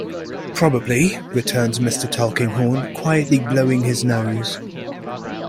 "Probably," returns Mr. Tulkinghorn, quietly blowing his nose.